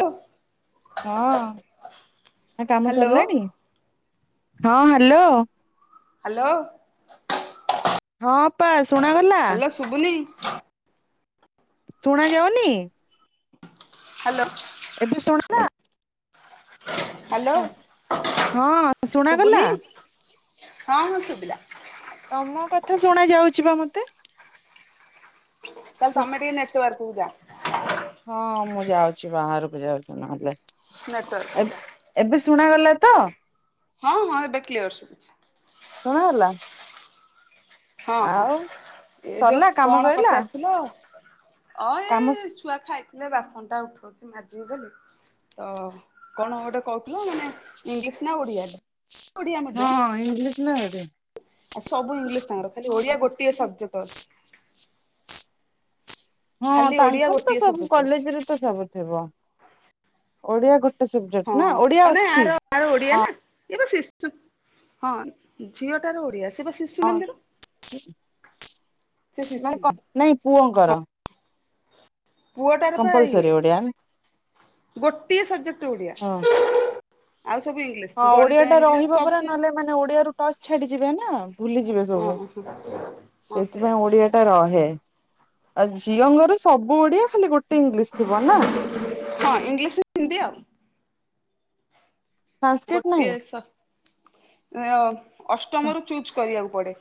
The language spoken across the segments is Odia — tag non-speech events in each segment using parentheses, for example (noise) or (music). ହଁ। ହଁ କାମ ହ୍ୟାଲୋ ସରିଲାଣି ହଁ ହ୍ୟାଲୋ‌ ହ୍ୟାଲୋ। ମାପସ (unintelligible) ହ୍ୟାଲୋ ସୁୁବୁନି। ଶୁଣା ଯାଉନି। ହ୍ୟାଲୋ। ଏବେ ଶୁଣିଲା। ହ୍ୟାଲୋ ହଁ ଶୁଣାଗଲା ଶୁଭୁନି ହଁ ହଁ ଶୁଭିଲା। ତମ କଥା ଶୁଣା ଯାଉଛି ବା ମତେ। ତାହେଲେ ତମେ ଟିକେ ନେଟୱାର୍କକୁ ଯା ହଁ ମୁ। ଯାଉଛି ବାହାରକୁ ଯାଉଛ ନହେଲେ ନେଟୱାର୍କକୁ ଯା ଏବେ ଶୁଣାଗଲା ତ। ହଁ ହଁ ଏବେ କ୍ଲିୟର୍ ସୁବୁଛି। ଶୁଣା ହେଲା। ହଁ ହଁ ଏ ଯୋଉ ସରିଲା କାମ କଣ ସରିଲା ପଚାରୁଥିଲ ଆ। ଅ କାମ ଏଇ ଛୁଆ ଖାଇ ହେଲେ ବାସନଟା ଉଠାଉଛି ମାଜିବି ବୋଲି ତ କଣ ଗୋଟେ କହୁଥିଲ ମାନେ ଇଲିଶ ନା ଓଡ଼ିଆ। ହଁ ଇଂଲିଶ ନ ହେରେ (unintelligible) ଆ ସବୁ ଇଂଲିଶ ତାଙ୍କର ଖାଲି ଓଡିଆ ଗୋଟିଏ ସବଜେକ୍ଟ ଅଛି। ହଁ ଖାଲି ଓଡିଆ ତାଙ୍କର ତ ଗୋଟିଏ ସବୁ ସବଜେକ୍ଟ ଅଛି କଲେଜ ରେ ତ ସବୁ ଥିବ ଓଡିଆ ଗୋଟେ। ସବଜେକ୍ଟ ନା ଓଡିଆ ଅଛି। ଏବେ ଶିଶୁ ହଁ ଝିଅଟାର ଓଡିଆ। ହଁ ସେ ଶିଶୁ ନଁ ନାଇଁ ପୁଅଙ୍କର ପୁଅ ଟା ର ପା ଆଏ କମ୍ପଲସରୀ ଓଡିଆ ଗୋଟିଏ ସବଜେକ୍ଟ ଓଡ଼ିଆ। ହଁ ଆଉ ସବୁ ହଁ ଇଂଲିଶ ଓଡିଆ ଗଣିତ ଟା ଇଂଲିଶ ରହିବା ପରା, ସବୁ ତ ନହେଲେ ମାନେ ଓଡିଆ ର ଟଚ୍ ଛାଡିଯିବେ ନା ଭୁଲିଯିବେ ହଁ ସବୁ। ହଁ ହଁ ସେଇଆ ସେଥିପାଇଁ କର ଓଡିଆ ଟା ରହେ ଆଉ ଝିଅଙ୍କର ସବୁ ଓଡିଆ। ଖାଲି ଗୋଟେ ଇଂଲିଶ ଥିବ ନା ହଁ ଇଂଲିଶ ହିନ୍ଦୀ ଆଉ ସାଂସ୍କ୍ରିଟ ଗୋଟିଏ ନାହିଁ ଅଷ୍ଟମରୁ ଚୁଜ୍ କରିବାକୁ।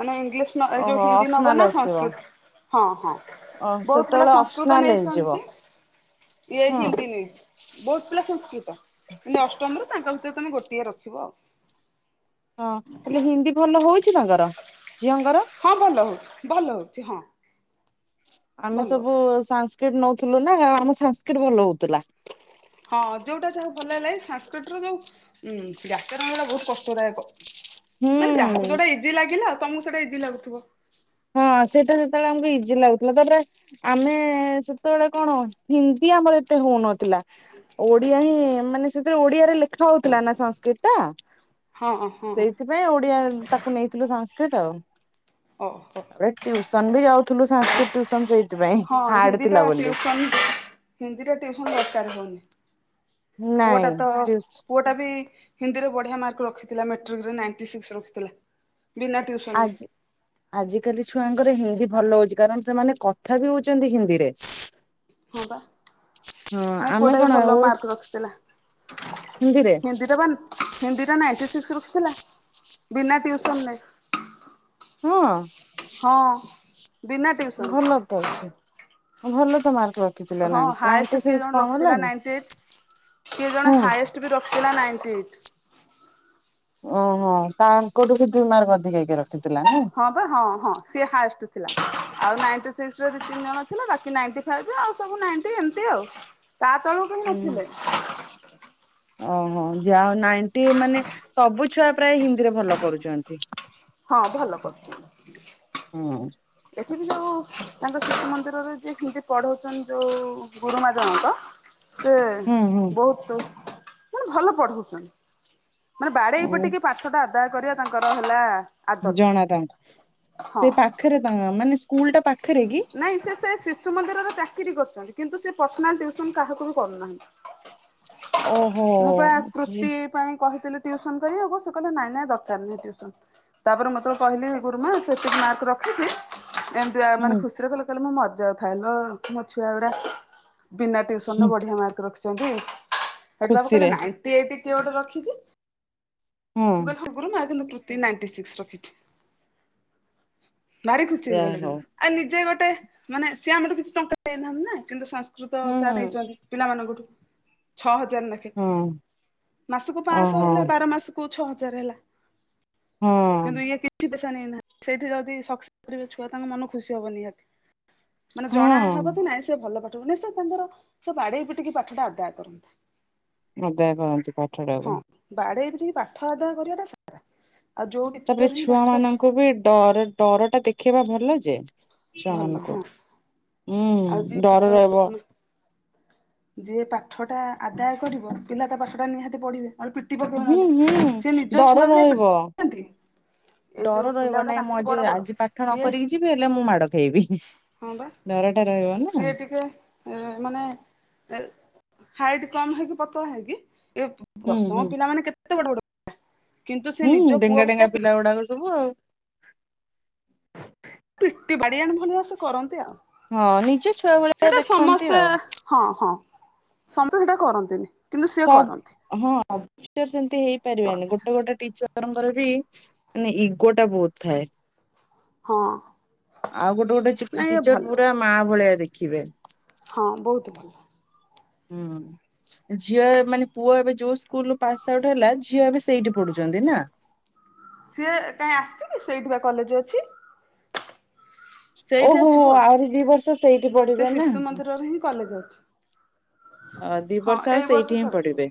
ମାନେ ଇଂଲିଶ ଏ ଯୋଉ ଓହୋ ହିନ୍ଦୀ ନବ ଅପସନାଲ ନା ଆସିବ ସଂସ୍କୃତ ହଁ ହଁ ଓ ବହୁତ ପିଲା ସେତେବେଳେ ସଂସ୍କୃତ ଅପସନାଲ ହେଇଯିବ। ନେଇଛନ୍ତି। ଏଇ ହଁ ହିନ୍ଦି ନେଇଚି, ବହୁତ ପିଲା ସଂସ୍କୃତ ଷ୍ଟମରୁ ତାଙ୍କ ଭିତରେ ତମେ ଗୋଟିଏ ରଖିବ ଆଉ। ହଁ ହେଲେ ହିନ୍ଦୀ ଭଲ ହଉଚି ତାଙ୍କର। ଝିଅଙ୍କର? ହଁ ଭଲ ହଉଚି, ଭଲ ହଉଚି ହଁ। ଆମେ ଭଲ ସବୁ ହଉଛି ସାସ୍କ୍ରଟ ନଉଥିଲୁ ନା ଆମ ସାସ୍କ୍ରିଟ ଭଲ ହଉଥିଲା। ହଁ ଯୋଉଟା ଯାହାକୁ ଭଲ ହେଲା ସାଂସ୍କ୍ରିଟର ଯୋଉ ଉ ବ୍ୟାକରଣ ଗୁଡାକ ବହୁତ କଷ୍ଟଦାୟକ। ମାନେ ଯାହାକୁ ହୁଁ। ଯୋଉଟା ଇଜି ଲାଗିଲା ଆଉ ତମକୁ ସେଟା ଇଜି ଲାଗୁଥିବ। ହଁ ସେଇଟା ସେତେବେଳେ ଆମକୁ ଇଜି ଲାଗୁଥିଲା ତାପରେ ଆମେ ସେତେବେଳେ କଣ ହିନ୍ଦୀ ଆମର ଅ ଏତେ ହୋଉନଥୁଲା ଓଡ଼ିଆ ହିଁ ମାନେ ସେତେଳେ ଓଡ଼ିଆରେ ଲେଖା ହଉଥିଲା ନା ସାଂସ୍କ୍ରିଟା। ହଁ ହଁ ସେଇଥିପାଇଁ ଓଡ଼ିଆ ତାକୁ ନେଇଥିଲୁ ସାଂସ୍କ୍ରିଟ୍ ଆଉ। ଓହୋ ଆବେ ଟ୍ୟୁସନ୍ ବି ଯାଉଥୁଲୁ ସାଂସ୍କ୍ରି ଟ୍ୟୁସନ୍ ଯେ। ହଁ ହିନ୍ଦୀଟା ଟ୍ୟୁସନ୍ ହିନ୍ଦୀଟା ଟ୍ୟୁସନ୍ ଦକାର ହଉନି। ନାଇଁ ପୁଅଟା ତ ଟିଉସ ପୁଅଟା ବି ହିନ୍ଦୀରେ ବଢ଼ିଆ ମାର୍କ ରଖିଥିଲା ମେଟ୍ରିକ୍ ରେ ନାଇଣ୍ଟି ସିକ୍ସ ରଖିଥିଲା। ବିନା ଟ୍ୟୁସନରେ ଆଜି ଆଜିକାଲି ଛୁଆଙ୍କର ହିନ୍ଦୀ ଭଲ ହୋଉଚି କାରଣ ସେମାନେ କଥା ବି ହୋଉଚନ୍ତି ହିନ୍ଦୀରେ। ହଁ ପା ହଁ ନାଇଁ ଆମେ ପୁଅଟା ବି କଣ ଭଲ ଓ ମାର୍କ ରଖିଥିଲା। ହିନ୍ଦୀରେ ହିନ୍ଦୀଟା ବା ହିନ୍ଦୀଟା ନାଁ ଏସେସ୍ ସିକ୍ସ ରଖିଥିଲା ବିନା ଟ୍ୟୁସନ୍ ରେ। ହଁ? ହଁ। ବିନା ଭଲ ଟିଉସନ ତ ଅଛି ଭଲ ତ ମାର୍କ ର ହଁ ହାଏଷ୍ଟ୍ କିଏ ଜଣେ ରଖିଥିଲା ନାଇଣ୍ଟି ଏଇଟ୍। କିଏ ଜଣେ ହୁଁ ହାଏଷ୍ଟ୍ ବି ରଖିଥିଲା ନାଇଣ୍ଟି ଏଇଟ୍। ଓହୋ ତାଙ୍କଠୁ ବି ଦ ମାର ଅଧିକକି ରଖ ହଁ ବା ହଁ ହଁ ସିଏ ହାଏଷ୍ଟ ଥିଲା। ଆଉ ନାଇଣ୍ଟି ସିକ୍ସ ରେ ଦି ତିନି ଜଣ ଥିଲା ବାକି ନାଇ ଫାଇ ରେ ଆଉ ସବୁ ନାଇ ଏମିତି ଆଉ। ତା ତଳକୁ ପଣ ହୁଁ। ନଥିଲେ ଓହୋ ଯାହାଉ ନାଇଟି ମାନେ ସବୁ ଛୁଆ ପ୍ରାୟ ହିନ୍ଦୀରେ ଭଲ କରୁଛନ୍ତି ହଁ ଭଲ କରୁଛି ହୁଁ ଦେଖିବି ଯୋଉ ତାଙ୍କ ଶିଶୁ ମନ୍ଦିର ରେ ହିତି ପଢଉଚନ୍ତି ଯୋଉ ଗୁରୁମା ଜଣଙ୍କ ସେ ହୁଁ ହୁଁ ବହୁତ ମାନେ ଭଲ ପଢଉଛନ୍ତି। ମାନେ ବାଡେଇ ଉଁ ଏଇପଟ ଟିକେ ପାଠ ଟା ଆଦାୟ କରିବା ତାଙ୍କର ହେଲା ଆଦତ। ଜଣା ତାଙ୍କୁ ହଁ ସେ ପାଖରେ ତାଙ୍କ ମାନେ ସ୍କୁଲ ଟା ପାଖ ନାଇଁ ସେ ସେ ଶିଶୁ ମନ୍ଦିରର ଚାକିରି କରୁଚନ୍ତି। କିନ୍ତୁ ସେ ପର୍ସନାଲୁସନ କାହାକୁ ବି କରୁନାହିଁ। ଓହୋ ମୁଁ ପ୍ରାୟ ଜି କୃତି ପାଇଁ କହିଥିଲି। ଟିଉସନ୍ କରିବାକୁ କିଲ ନାଇଁ ନାଇଁ ଦରକାରନି ଟିଉସନ୍, ତାପରେ ମୁଁ ଯେତେବେଳେ କହିଲି ଗୁରୁମା ସେ ଏତିକି ମାର୍କ ରଖ୍ ଏମତିଆ ହୁଁ ମାନେ ଖୁସିରେ କହିଲେ କଲେ ମୁ ମରିଯାଉ ଥାଏ ଲୋ, ମୋ ଛୁଆା ଗୁଡା ବିନା ହୁଁ ଟୁସନ ବଢିଆ ମାର୍କ ଠ ତମ ଖୁସିରେ କହିଲେ ନାଇ ଏ କିଏ ଗୋଟେ ରଖିଛି ହଁ। ମୁ କହିଲି ହର ଗୁରୁ ନାଗେନ୍ଦ୍ର କୃତି ନାଇଣ୍ଟି ସିକ୍ସ ରଖିଚି। ଭାରି ଖୁସି ଯାହା ହେଇଗଲେ ହଉ। କିନ୍ତୁ ଆଉ ନିଜେ ଗୋଟେ ମାନେ ସେ ଆମର କିଛି ଟଙ୍କା ଦେଇନାହାନ୍ତି ନା କିନ୍ତୁ ସଂସ୍କୃତ ହୁଁ ସାର୍ ହଁ ନେଇଚନ୍ତି ପିଲାମାନଙ୍କଠୁ ଛଅ ହଜାର ଲେଖାଏ, ମାସକୁ ପାଞ୍ଚଶହ ଓହୋ ହେଲା ବାର ମାସକୁ ଛଅ ହଜାର ହେଲା। ହଁ କିନ୍ତୁ ଇ କିଛି ସେଇଠି ଯଦି ସକ୍ସସ କରିବେ ଛୁଆ ତାଙ୍କ ମନ ଖୁସି ହବନ ନିହାତି। ମାନେ ଜଣା ହବ ହଁ। ନାଇଁ ସେ ଭଲ ପା ସେ ତାଙ୍କର ସେ ବାଡେଇ ପିଟିକି ପାଠଟା ଆଦାୟ କରନ୍ତି। ମ ଦେ କନ୍ତି ପାଠ ହଁ ଟାକୁ ବାଡେଇ ପାଠ ଆଧା କରିବାଟା ସାରା ତାପରେ ଛୁଆ ମାନଙ୍କୁ ବି ଡର ଡର ଟା ଦେଖେଇବା ଭଲ ଯେ ଭଲ ଛୁଆମାନଙ୍କୁ। ହଁ ଆଉ ହୁଁ ଯିଏ ଡର ରହିବ। ଯିଏ ପାଠଟା ଆଦାୟ କରିବ ପିଲା ତା ପାଠଟା ନିହାତି ପଢ଼ିବେ ଆରେ ପ୍ରୀତି ପକେଇବା ହୁଁ ହୁଁ ନହଲେ ସେ ନିଜ ଡର ଛୁଆ ଭଳିଆନ ରହିବ। ପିଟନ୍ତି। ଏ ଯୋଉ ଡର ପିଲା ରହିବ ଗୁଡା ନାଇଁ ମୁଁ ତାଙ୍କଠୁ ଆଜି ବଡ ବଡ ଆଜି ପାଠ ନ ସିଏ କରିକି ଯିବି ହେଲେ ମୁଁ ମାଡ ଖାଇବି। ହଁ ବା ଡରଟା ରହିବ ନା ସିଏ ଟିକେ ମାନେ ହାଇଟ କମ ହେଇକି ପତଳା ହେଇକି ଏ ହୁଁ ଦଶମ ହୁଁ ପିଲା ମାନେ କେତେ ତେ ବଡ଼ ବଡ଼ ହୁଁ ଡେଙ୍ଗା ଡେଙ୍ଗା ପିଲା ଗୁଡାକ ସବୁ ଆଉ। ପିଟି ବାଡି ଆଣି ଭଳିଆ ସେକରନ୍ତି ଆଉ। ହଁ ନିଜ ଛୁଆ ଭଳିଆ ସେଟା ଦେଖନ୍ତି ସମସ୍ତେ ଆଉ ହଁ ହଁ। ସମତେ ସେଇଟା କରନ୍ତିନି। କିନ୍ତୁ ସିଏ କରନ୍ତି। ସବ ହଁ ସେମତି ହେଇପାରିବନି କରନ୍ତି ଗୋଟେ ସେଠି ଗୋଟେ ଟିଚରଙ୍କର ବି ମାନେ ଇଗୋ ଟା ବହୁତ ଥାଏ। ହଁ। ଆଉ ଗୋଟେ ଗୋଟେ ଚି ନାଇଁ ଏ ଟିଚର ଭଲ ପୁରା ମା ଭଳିଆ ଦେଖିବେ। ହଁ ବହୁତ ଭଲ। ହୁଁ ଝିଅ ମାନେ ପୁଅ ଏବେ ଯୋଉ ସ୍କୁଲୁ ପାସ୍ ଆଉଟ୍ ହେଲା ଝିଅ ଏବେ ସେଇଠି ପ ଢୁଛନ୍ତି ନା। ସିଏ କାହିଁ ଆସିଛି କି ସେଇଠି ବା କଲେଜ ଅଛି। ସେଇଠି ଓହୋ ଅଛି ପୁଅ ଆହୁରି ଦି ବର୍ଷ ସେଇଠି ସେ ପଢିବେ ନା? ଶିଶୁ ମନ୍ଦିରରେ ହିଁ କଲେଜ ଅଛି ଅ ଦି ହଁ ବର୍ଷ ଆ ଏଇ ସେଇଠି ହିଁ ସରିଯିବ। ପଢିବେ।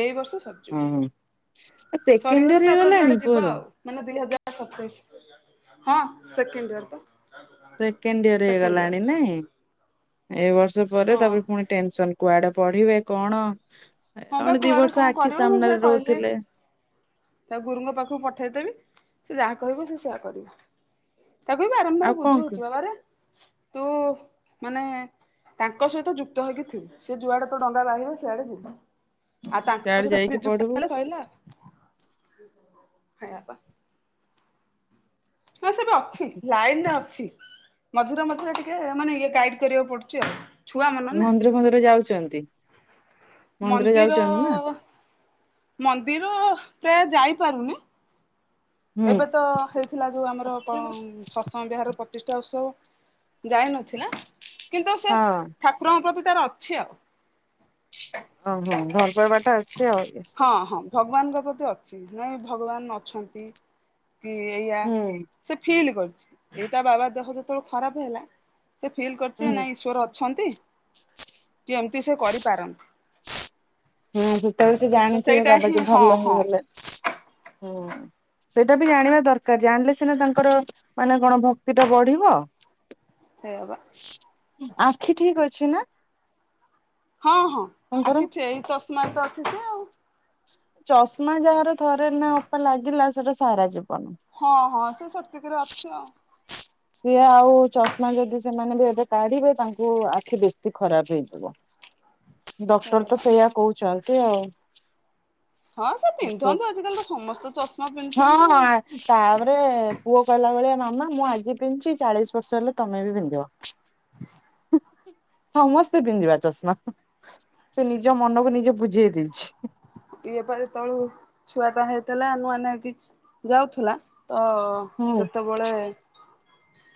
ଏଇ ବର୍ଷ ହଁ ସରିଯିବ, ସେକେଣ୍ଡ ସରିଗଲେ ଇୟର ତାପରେ ହେଇଗଲାଣି ଯୁଆଡେ ଯିବା ପୁଅର? ଆଉ ମାନେ ଦି ହଜାର ସତେଇଶ ହଁ ସେକେଣ୍ଡ ଇୟର ପା। ସେକେଣ୍ଡ ଇୟର ସେକେଣ୍ଡ ଇୟର ହେଇଗଲାଣି ନାଇଁ। ଏ ବର୍ଷ ପରେ ହଁ। ତାପରେ ପୁଣି ଟେନସନ କୁଆଡେ ପଢିବେ କଣ? ହଁ ବା କଣେ ଦି କୁଆଡେ କଣ ବର୍ଷ ଆଖି କରିବ ମୁଁ ସେୟା ସାମ୍ନାରେ କହିଲି ରହୁଥିଲେ। ତା ଗୁରୁଙ୍କ ପାଖକୁ ପଠେଇଦେବି। ସେ ଯାହା କହିବ ସେ ସେୟଆ କରିବ। ତାକୁ ବି ଆଉ ବାରମ୍ବାର କଣ କ ବୁଝୁଉଛି ବାବା ରେ ତୁ ମାନେ ତାଙ୍କ ସହିତ ଯୁକ୍ତ ହେଇକି ଥିବୁ, ସେ ଯୁଆଡେ ତୋ ଡଙ୍ଗା ବାହିବେ ସିଆଡେ ଯିବୁ। ଆଉ ତାଙ୍କ ସିଆଡେ ସହ ଯାଇକି ବିଯୁକ୍ତ ପଢିବୁ ହେଲେ ସଇଲା ଆଉ। ସେୟା ପା। ହଁ ସେଟା ଅଛି ଲାଇନ ରେ ଅଛି। ମଝିରେ ମଝିରେ ଟିକେ ମାନେ ଇଏ ଗାଇଡ କରିବାକୁ ପଡୁଚି ଆଉ। ଛୁଆ ମନ ନା। ମନ୍ଦିର ଫନ୍ଦିର ଯାଉଚନ୍ତି? ମନ୍ଦିର ଅ ମନ୍ଦିର ପ୍ରାୟ ଯାଇପାରୁନି। ହୁଁ ଏବେ ତ ହେଇଥିଲା ଯୋଉ ଆମର କଣ ସତସଙ୍ଗ ବିହାର ପ୍ରତିଷ୍ଟା ବ ସେ ଯାଇ ନଥିଲା କିନ୍ତୁ ସେ ହଁ ଠାକୁରଙ୍କ ପ୍ରତି ତାର ଅଛି ଆଉ। ଓହୋ ଘର ପାଇବା ଟା ଅଛି ଆଉ ହଁ ହଁ ଭଗବାନଙ୍କ ପ୍ରତି ଛି। ନାଇଁ ଭଗବାନ ଅଛନ୍ତି। କି ଏଇଆ ହୁଁ ସେ ଫିଲ୍ କରୁଚି ଏଇ ତା ବାବା ଦେହ ଯେତେବେଳେ ଖରାପ ହେଲା ସେ ଫିଲ୍ ହୁଁ କରିଚି ନାଇଁ ଈଶ୍ୱର ଅଛନ୍ତି। କି ଏମତି ସେ କରିପାରନ୍ତି। ହୁଁ ସେତେବେଳେ ସେ ତ ଜାଣିଥିବେ ସେଇଟା ବାବା ହିଁ ଯଉ ହଁ ଭଲ ହଁ ହେଇଗଲେ ହୁଁ। ସେଇଟା ବି ଜାଣିବା ଦରକାର, ଜାଣିଲେ ସିନା ତାଙ୍କର ମାନେ କଣ ଭକ୍ତି ଟା ବଢିବ। (inaudible) ସେଇୟା ପା। ଆଖି ଠିକ ଅଛି ନା? ହଁ ହଁ ତାଙ୍କର ଆଖିଠି ଏଇ ଚଷମା ତ ଅଛି ସେ ଆଉ। ଚଷମା ଯାହାର ଥରେ ନା ଅପା ଲାଗିଲା ସେଟା ସାରା ଯିବ ହଁ ହଁ ସେ ସେତିକରେ ଅଛି ଆଉ ସିଏ ଆଉ ଚଷମା ଯଦି ସେମାନେ ବି ଏବେ କାଢିବେ ତାଙ୍କୁ ଆଖି ବେଶୀ ଖରାପ ହେଇଯିବ। ଡକ୍ଟର ସେଇଆ ତ ବା ସେଇୟା କହୁଛନ୍ତି ଆଉ। ହଁ ସେ ପିନ୍ଧନ୍ତୁ ଆଜିିକାଲି ତ ସମସ୍ତେ ଚଷ ହଁ ହଁ ତାପରେ ପୁଅ ଭଳିଆ ମାମା ମୁଁ ଆଜି ପିନ୍ଧିଛି ଚାଳିଶ ବର୍ଷ ହେଲେ ତମେ ବି ପିନ୍ଧିବ। ହ। ସମସ୍ତେ ପିନ୍ଧିବା ଚଷମା। ସେ ନିଜ ମନକୁ ନିଜେ ବୁଝେଇ ଦେଇଛି। ଇଏ ପରେ ତଳୁ ଛୁଆ ଟା ହେଇଥିଲା ନୂଆ ନେ ହେକି ଯାଉଥିଲା। ତ ହୁଁ ସେତେବେଳେ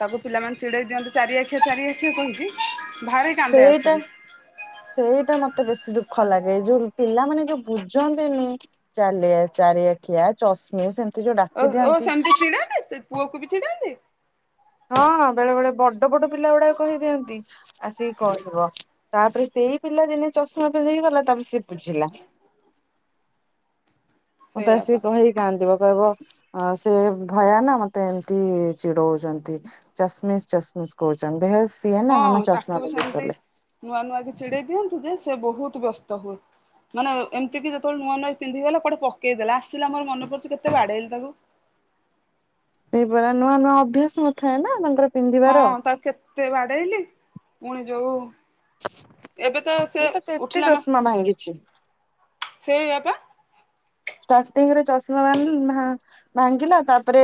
ତାକୁ ପିଲାମାନେ ଚିଡେଇ ଦିଅନ୍ତୁ ଚାରିଆଖିଆ ଚାରିଆଖିଆ କହିକି। ଭାରି କାନ୍ଦେ ସେଇଟା ଆସିକି। ସେଇଟା ମତେ ମତେ ବେଶୀ ଦୁଃଖ ଲାଗେ ଯୋଉ ପିଲାମାନୋନେ ଯୋଉ ବୁଝନ୍ତିନି ଚାଲିଆ ଚାରିଆଖିଆ। (inaudible) ଓ ଓ ଦିଅନ୍ତି ସେମିତି ଚିଡାନ୍ତି ପୁଅକୁ ବି ଚିଡାନ୍ତି। ହଁ ହଁ ବେଳେ ବେଳେ ବଡ ବଡ ପିଲା ଗୁଡାକ କହିଦିଅନ୍ତି ଆସିକି କହିବ ତାପରେ ସେ ସେଇ ପିଲା ଦିନେ ଚଷମା ପିନ୍ଧିକି ଗଲା ତାପରେ ସେି ବୁଝିଲା। ମୁଁ ତ ଆସିକି ସେଇଆପା। କହିକି କାଦିବ କହିବ ଅ ସେ ଭୟାନ ମତେ ଏମିତି ଚିଡଉଛନ୍ତି ଚଷମିସ୍ ଚଷମିଶ। ଚନ୍ଦେବସେ। ହଁ ତାକୁ ବି ସେମିତି ନୂଆ ନୂଆ କି ଚଛିଡେଇ ଦିଅନ୍ତୁ ଯେ ସେ ବହୁତ ବ୍ୟସ୍ତ ହୁଏ। ପ ମାନେ ଏମିତି କି ଯେତେବେଳେ ନୂଆ ନୂଆ ପିନ୍ଧି ଗଲା କୋଟେ ପକେଇଦେଲା ଆସିଲା ମୋର ମନ ପଡଚଛି କେତେ ବାଡ ହେଇଲି ତାକୁ। ସେଇପରା ନୂଆ ନୂଆ ଅଭ୍ୟାସ ନଥାଏ ନା ତାଙ୍କର। ହଁ ପିନ୍ଧିବାର ତାକୁ କେତେ ବାଡେଇଲି ପୁଣି ଯୋଉ। ଏବେ ତ ସେ ଇଏ କେତେ ଉଠିଲା ମା ଚଷମା ଭାଙ୍ଗିଛି ସେଇ ଆପା। ଷ୍ଟାର୍ଟିଂରେ ଚଷମା ଭାଙ୍ଗିଲା ତାପରେ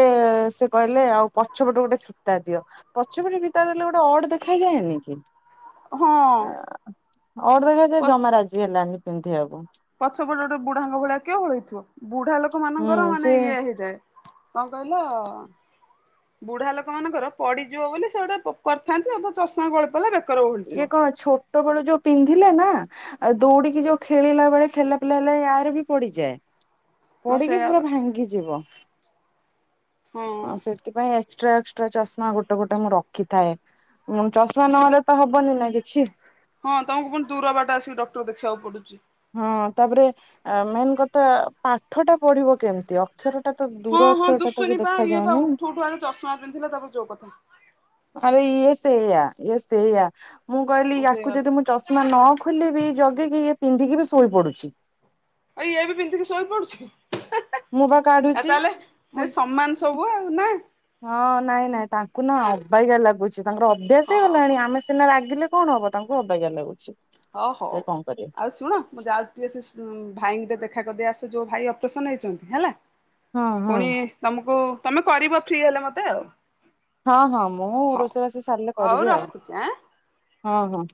ସେ କହିଲେ ଆଉ ପଛ ଗୋଟେ ଗୋଟେ ଫୀତା ଦିଅ ପଛ ପଟେ ଫିତା ଦେଲେ ଗୋଟେ ଅଡ ଦେଖାଯାଏନି କି? ହଁ। ଅର୍ ଦେଖଛ ଜମା ରାଜି ହେଲାଣି ପିନ୍ଧିବାକୁ। ପଛ ପଟ ଗୋଟେ ବୁଢାଙ୍ଗ ଭଳିଆ କେଏ ଓହଳେଇଥିବ। ବୁଢା ଲୋକ ହୁଁ ମାନଙ୍କର ମାନେ ସେ ଇଏ ହେଇଯାଏ କଣ କହିଲ ବୁଢା ଲୋକ ମାନଙ୍କର ପଡିଯିବ ବୋଲି ସେ ଗୋଟେ କରିଥାନ୍ତି ଚଷମା ଗଳି ପଲେ। ଇଏ କଣ ଛୋଟ ବେଳୁ ଯୋଉ ପିନ୍ଧିଲେ ନା। ଆଉ ଦୌଡିକି ଯୋଉ ଖେଳିଲା ବେଳେ ଠେଲା ପିଲା ହେଲେ ୟାର ବି ପଡିଯାଏ। ହଁ ପଡିକି ସେଇଆ ପା ପୁରା ଭାଙ୍ଗି ଯିବ। ହଁ ସେଥିପାଇଁ ଏକ୍ସଟ୍ରା ଏକ୍ସଟ୍ରା ଚଷମା ଗୋଟେ ଗୋଟେ ମୁଁ ରଖିଥାଏ ମୁ ଚଷମା ନହଲେ ତ ହବନି ନା କିଛି। ହଁ ତମକୁ ପଣ ଦୂର ବାଟ ଆିକି ଡକ୍ଟର ଦେଖିବାକୁ ପଡୁଛି। ହଁ ତାପରେ ମେନ୍ କଥା ପାଠ ଟା ପଢିବ କେମତି ଅ। ଅକ୍ଷର ଟା ତ ହଁ ଦୂର ହଁ ଅକ୍ଷର ଟା ଦୁଶୁନି ତାକୁ ପା ଦେଖା ଇଏ ପା ଯାଉନି। ଉଠୁ ଉଠୁ ଆଗେ ଚଷମା ପିନ୍ଧିଲା ତାପରେ ଯୋଉ କଥା ଆରେ ଏ ସେ ଏୟା ଏ ସେୟା। ମୁଁ କହିଲି ହଁ ସେଇଆ ୟାକୁ ଆଉ ଯଦି ମୁଁ ଚଷମା ନ ଖୋଲିବି ଜଗିକି ଇଏ ପିନ୍ଧିକି ବି ଶୋଇ ପଡୁଛି। ଆଇଏ ବି ପିନ୍ଧିକି ଶୋଇ ପଡୁଛି। ମୁଁ ବା ଆ କାଢୁଛି ତାହେଲେ ମୁଁ ସେ ସମ୍ମାନ ସବୁ ଆଉ ନା ହଁ ନାଇଁ ନାଇଁ ତା କୁ ନା ଅବାଜା ଲାଗୁଛି ତାଙ୍କର ଅଭ୍ୟାସ ହଁ ହଇ ହଁ। ଗଲାଣି ଆମେ ସିନା ରାଗିଲେ କଣ ହବ ତାଙ୍କୁ ଅବାଜା ଲାଗୁଛି ହଁ ସେ ହଉ କଣ କରିବେ ଆଉ ଶୁଣ ମୁଁ ଯାଉଛି ସେ ଭାଇଙ୍କଟେ ଦେଖ ଦୋ କରିି ଆସେ ଯୋଉ ଭାଇ ଅପରେସନ ହେଇଛନ୍ତି ହେଲା ହଁ ହଁ ପୁଣି ତମକୁ ତମେ କରିବ ଫ୍ରି ହେଲେ ମତେ ଆଉ ହଁ ହଁ ମୁଁ ହଉ ରୋଷେଇବାସି ସାରିଲେ ହଉ କରିବି ଆଉ ରଖୁଛି ଆଁ। ହଁ ହଁ